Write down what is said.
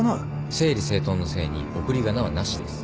整理整頓の「整」に送り仮名はなしです。